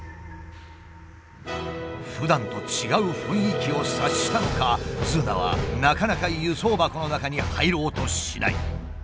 ふだんと違う雰囲気を察したのかズーナはなかなか輸送箱の中に入ろうとしない。